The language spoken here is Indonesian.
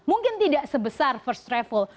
mungkin tidak sebesar first travel